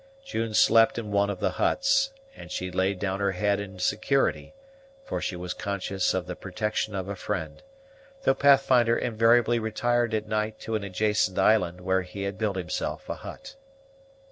June slept in one of the huts, and she laid down her head in security, for she was conscious of the protection of a friend, though Pathfinder invariably retired at night to an adjacent island, where he had built himself a hut.